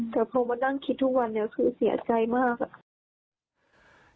แต่พอมานั่งคิดทุกวันนี้คือเสียใจมากอะ